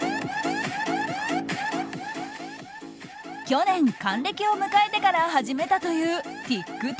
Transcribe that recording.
去年、還暦を迎えてから始めたというＴｉｋＴｏｋ。